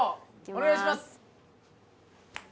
お願いします。